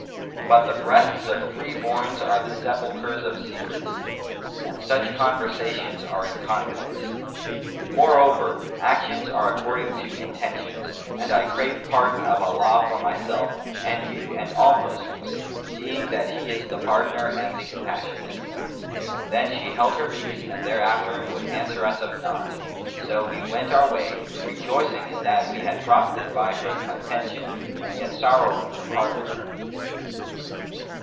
But the breasts of free borns are the sepulchres of secrets' and such conversations are in confidence. Moreover, actions are according to intentions,[FN#250] and I crave pardon of Allah for myself and you and all Moslems, seeing that He is the Pardoner and the Compassionate.' Then she held her peace and thereafter would answer us of naught; so we went our way, rejoicing in that we had profited by her contention and yet sorrowing to part from her."